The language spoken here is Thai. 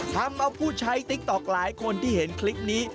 ทำเอาผู้ใช้ติ๊กต๊อกหลายคนที่เห็นคลิปนี้